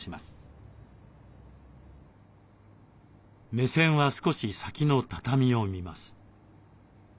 目線は少し先の畳を見ます。